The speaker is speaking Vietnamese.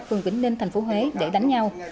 phường vĩnh ninh tp huế để đánh nhau